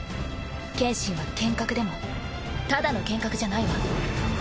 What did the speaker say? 剣心は剣客でもただの剣客じゃないわ。